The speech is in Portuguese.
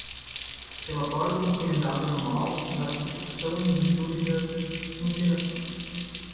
Relatório consolidado anual da repercussão em virtude das interações